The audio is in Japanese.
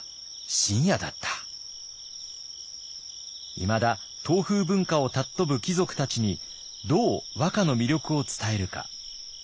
いまだ唐風文化を尊ぶ貴族たちにどう和歌の魅力を伝えるか。